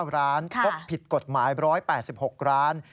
ร้านพบผิดกฎหมาย๑๘๖ร้าน